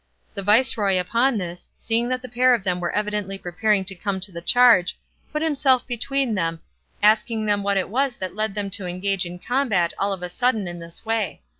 The viceroy upon this, seeing that the pair of them were evidently preparing to come to the charge, put himself between them, asking them what it was that led them to engage in combat all of a sudden in this way.